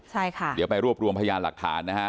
ใช่ค่ะเดี๋ยวไปรวบรวมพยานหลักฐานนะฮะ